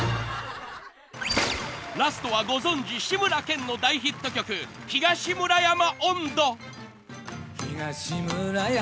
［ラストはご存じ志村けんの大ヒット曲『東村山音頭』］